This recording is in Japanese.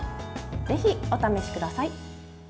ぜひお試しください。